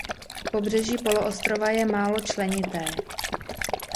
Pobřeží poloostrova je málo členité.